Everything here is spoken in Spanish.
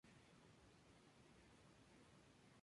Las espinas son radiales y centrales.